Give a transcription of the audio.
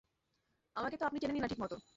আমাকে তো আপনি চেনেনই না ঠিকমতো।